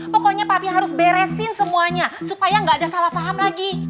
pokoknya papi harus beresin semuanya supaya nggak ada salah saham lagi